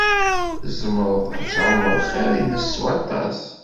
Tzemreḍ ad tɛumeḍ xir-nnes s waṭas.